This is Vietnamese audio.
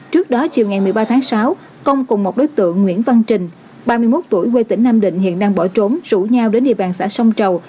trước đó chiều ngày một mươi ba tháng sáu công cùng một đối tượng nguyễn văn trình ba mươi một tuổi quê tỉnh nam định hiện đang bỏ trốn rủ nhau đến địa bàn xã sông trầu